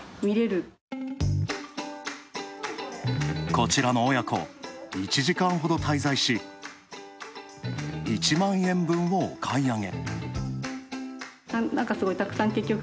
こちらの親子、１時間ほど滞在し、１万円分をお買い上げ。